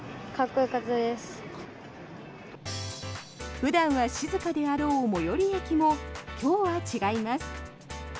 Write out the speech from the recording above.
普段は静かであろう最寄り駅も今日は違います。